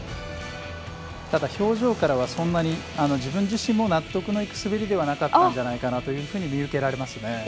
ただ表情からは自分自身も納得のいく滑りではなかったんじゃないかと見受けられますね。